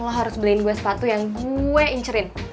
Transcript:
lo harus beliin gue sepatu yang gue incerin